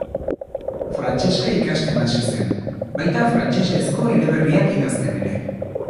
Frantsesa ikasten hasi zen, baita frantsesezko eleberriak idazten ere.